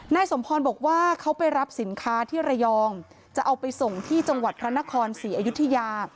นายสมพรบอกว่าเขาไปรับสินค้าที่ระยองจะเอาไปส่งที่จังหวัดพระนครศรีอยุธยา